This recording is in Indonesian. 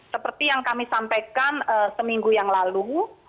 seperti yang kami sampaikan seminggu yang lalu